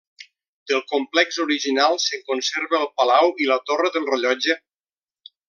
Del complex original se'n conserva el palau i la torre del rellotge.